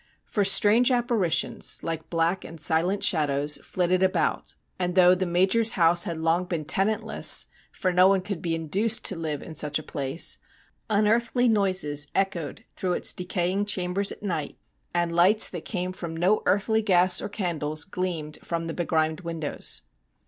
For strange appari tions, like black and silent shadows, flitted about ; and though 2 STORIES WEIRD AND WONDERFUL the Major's house had long been tenantless, for no one could be induced to live in such a place, unearthly noises echoed through its decaying chambers at night, and lights that came from no earthly gas or candles gleamed from the begrimed windows.